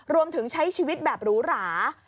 รวมถึงใช้ชีวิตแบบหรูหรา